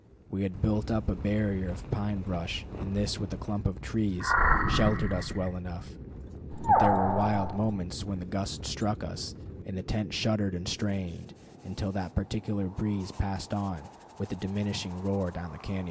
We had built up a barrier of pine brush, and this, with a clump of trees, sheltered us well enough; but there were wild moments when the gust struck us, and the tent shuddered and strained, until that particular breeze passed on with a diminishing roar down the cañon.